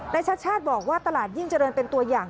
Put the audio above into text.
ชาติชาติบอกว่าตลาดยิ่งเจริญเป็นตัวอย่าง